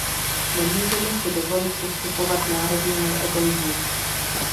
Nemůžeme si dovolit ustupovat národnímu egoismu.